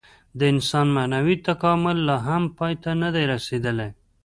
د انسان معنوي تکامل لا هم پای ته نهدی رسېدلی.